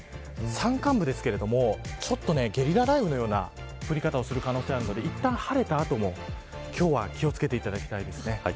山間部ですけれどもゲリラ雷雨のような降り方をする可能性があるのでいったん晴れた後も今日は気を付けていただきたいです。